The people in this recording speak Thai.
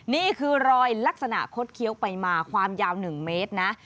นี่คือรอยลักษณะคดเคี้ยวไปมาความยาว๑เมตรนะ